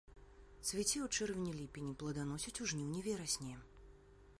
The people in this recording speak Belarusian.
Цвіце ў чэрвені-ліпені, пладаносіць у жніўні-верасні.